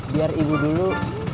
biar ibu dulu